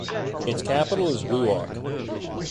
Its capital is Wewak.